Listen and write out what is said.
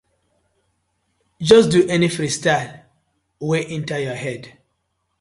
Just do any freestyle wey enter yur head.